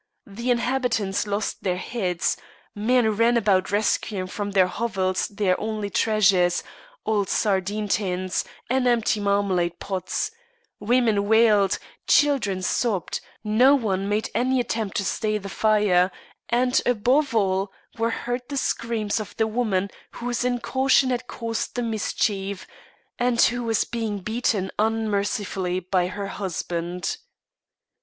The inhabitants lost their heads. Men ran about rescuing from their hovels their only treasures old sardine tins and empty marmalade pots; women wailed, children sobbed; no one made any attempt to stay the fire; and, above all, were heard the screams of the woman whose incaution had caused the mischief, and who was being beaten unmercifully by her husband.